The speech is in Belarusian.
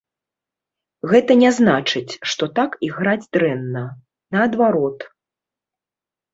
Гэта не значыць, што так іграць дрэнна, наадварот.